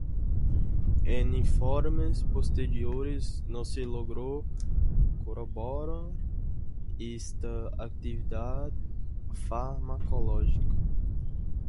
En informes posteriores no se logró corroborar esta actividad farmacológica.